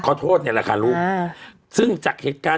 โทษเนี่ยแหละค่ะลูกซึ่งจากเหตุการณ์